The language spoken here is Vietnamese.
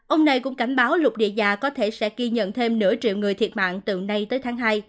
ông này cũng cảnh báo lục địa già có thể sẽ ghi nhận thêm nửa triệu người thiệt mạng từ nay tới tháng hai